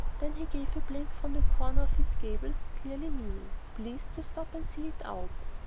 Then he gave a blink from the corner of his gables, clearly meaning, "Please to stop and see it out."